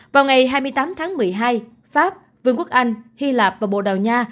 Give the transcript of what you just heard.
vào ngày hai mươi tám tháng một mươi hai pháp vương quốc anh hy lạp và bồ đào nha